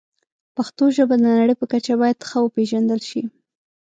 پښتو ژبه د نړۍ په کچه باید ښه وپیژندل شي.